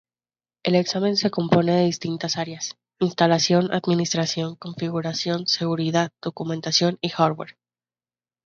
El examen se compone de distintas áreas: instalación, administración, configuración, seguridad, documentación y hardware.